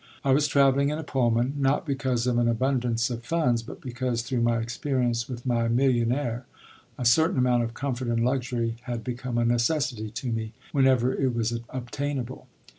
I was traveling in a Pullman, not because of an abundance of funds, but because through my experience with my millionaire a certain amount of comfort and luxury had become a necessity to me whenever it was obtainable.